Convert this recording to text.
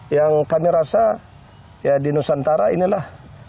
yang kami rasa ya di nusantara inilah